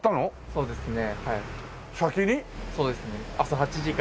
そうですね。